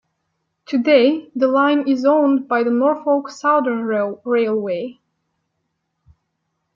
Today, the line is owned by the Norfolk Southern Railway.